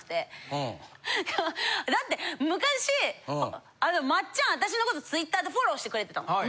だって昔松ちゃん私のことＴｗｉｔｔｅｒでフォローしてくれてたの。